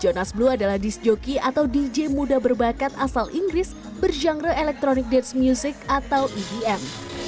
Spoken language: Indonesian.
janus blue adalah disc jockey atau dj muda berbakat asal inggris berjangre electronic dance music atau edm